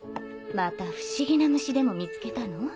また不思議な虫でも見つけたの？